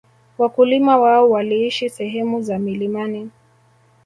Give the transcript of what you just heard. Wakulima wao waliishi sehemu za milimani